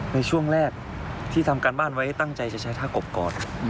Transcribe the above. ในช่วงแรกที่ทำการบ้านไว้ตั้งใจจะใช้ท่ากบก่อน